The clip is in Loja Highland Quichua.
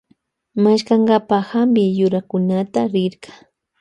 Rirka maskankapa hampi yurakunata.